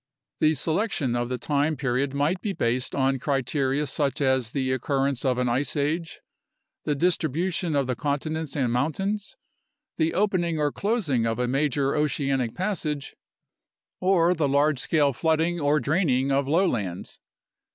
The selection of the time period might be based on criteria such as the occurrence of an ice age, the distribution of the continents and mountains, the opening or closing of a major oceanic passage, or the large scale flooding or draining of lowlands.